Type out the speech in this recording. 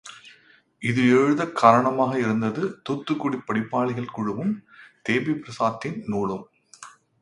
இது எழுதக் காரணமாயிருந்தது தூத்துக்குடி படிப்பாளிகள் குழுவும், தேபி பிரஸாத்தின் நூலும்.